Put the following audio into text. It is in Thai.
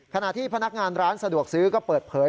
ขณะที่พนักงานร้านสะดวกซื้อก็เปิดเผย